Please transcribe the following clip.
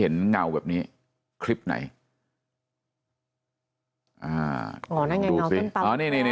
เห็นเงาแบบนี้คลิปไหน